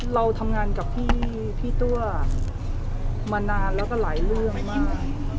เราทำงานกับพี่ตัวมานานแล้วก็หลายเรื่องมาก